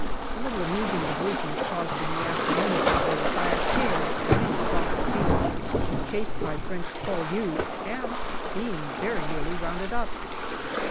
A little amusing diversion is caused in the afternoon of to day by a hare running across the beach, chased by French " poilus," and being very nearly rounded up.